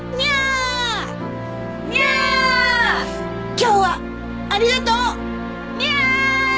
今日はありがとうニャー！